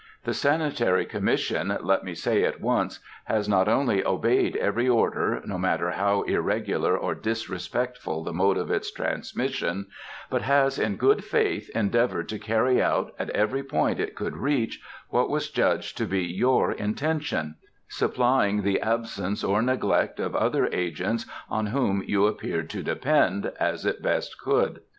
The Sanitary Commission, let me say at once, has not only obeyed every order, no matter how irregular or disrespectful the mode of its transmission, but has in good faith endeavored to carry out, at every point it could reach, what was judged to be your intention, supplying the absence or neglect of other agents on whom you appeared to depend, as it best could.